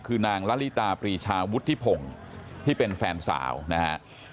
คือนางละลิตาปรีชาวุฒิพงศ์ที่เป็นแฟนสาวนะฮะ